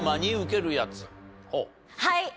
はい！